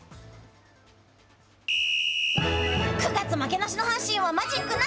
９月負けなしの阪神はマジック７。